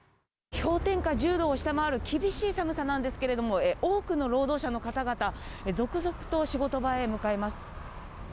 氷点下１０度を下回る厳しい寒さなんですけれども、多くの労働者の方々、続々と仕事場へ向かいます。